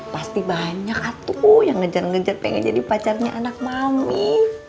pasti banyak tuh yang ngejar ngejar pengen jadi pacarnya anak mami